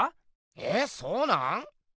えっそうなん⁉